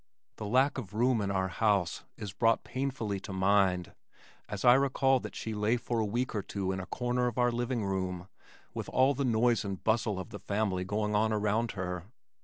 The lack of room in our house is brought painfully to my mind as I recall that she lay for a week or two in a corner of our living room with all the noise and bustle of the family going on around her.